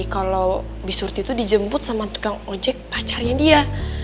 kalau bisurt itu dijemput sama tukang ojek pacarnya dia